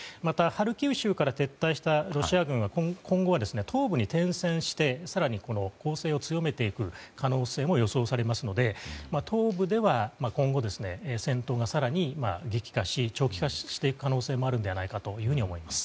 ハルキウ州から撤退したロシア軍は今後は東部に転戦して更に攻勢を強めていく可能性も予想されますので東部では、今後戦闘が更に激化し長期化していく可能性もあるのではないかと思います。